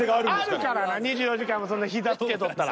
あるからな２４時間もそんな膝つけとったら。